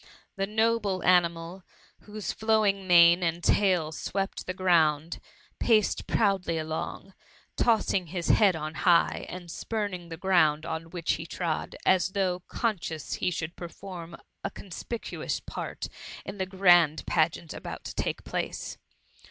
The noble animal, whose flowing mane and tail swept the ground, paced proudly along, tossing his head on high, and spuming the ground on which he trod, as though conscious he should perform a conspicuous part in the grand pageant about to tak^ place.